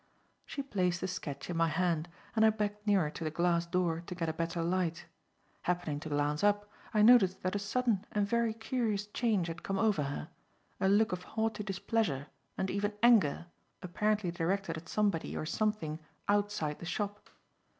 She placed the sketch in my hand, and I backed nearer to the glass door to get a better light. Happening to glance up, I noticed that a sudden and very curious change had come over her; a look of haughty displeasure and even anger, apparently directed at somebody or something outside the shop.